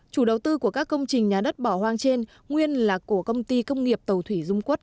chủ đầu tư của các công trình nhà đất bỏ hoang trên nguyên là của công ty công nghiệp tàu thủy dung quốc